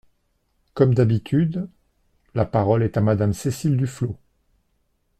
Comme d’habitude ! La parole est à Madame Cécile Duflot.